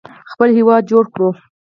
خپل هیواد جوړ کړو.